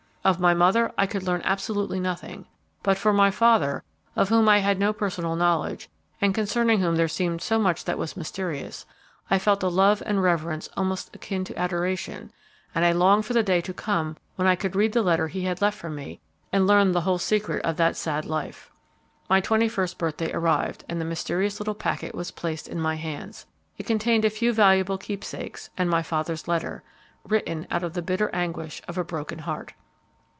Of my mother I could learn absolutely nothing; but for my father, of whom I had no personal knowledge, and concerning whom there seemed so much that was mysterious, I felt a love and reverence almost akin to adoration, and I longed for the day to come when I could read the letter he had left for me and learn the whole secret of that sad life. "My twenty first birthday arrived, and the mysterious little packet was placed in my hands. It contained a few valuable keepsakes and my father's letter, written out of the bitter anguish of a broken heart.